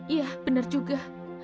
iya bener juga